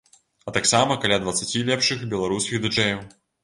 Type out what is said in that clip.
А таксама каля дваццаці лепшых беларускіх ды-джэяў.